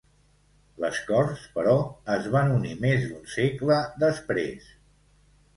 Les corts, però, es van unir més d'un segle després.